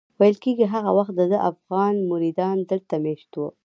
ویل کېږي هغه وخت دده افغان مریدان دلته مېشت وو.